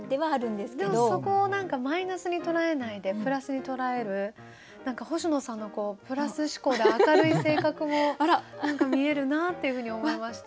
でもそこを何かマイナスに捉えないでプラスに捉える星野さんのプラス思考で明るい性格も何か見えるなっていうふうに思いました。